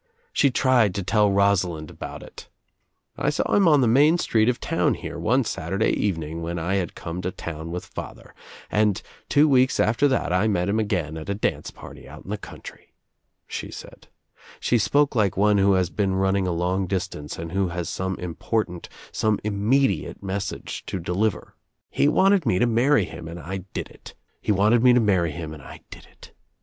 She |: wanted I about i Main Street of town here, one Saturday evening \ I had come to town with father, and two weeks after i that I met him again at a dance out in the country," she said. She spoke lilte one who has been running a long distance and who has some important, some im mediate message to deliver, "He wanted me to marry ■ him and I did It, He wanted me to marry him and I ' did It."